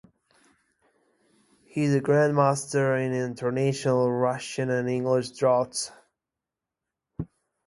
He is a Grandmaster in International, Russian, and English draughts.